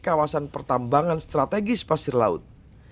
kawasan pertambangan strategis pasir laut